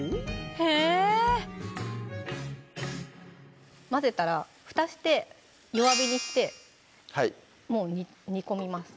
へぇ混ぜたら蓋して弱火にしてもう煮込みます